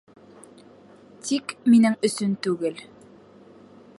Тик минең өсөн түгел.